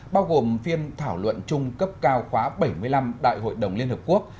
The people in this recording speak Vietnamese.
bao gồm phiên thảo luận chung cấp cao khóa bảy mươi năm đại hội đồng liên hợp quốc